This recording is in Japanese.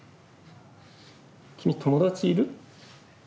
君友達いる？